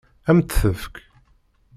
Ad m-tt-tefk?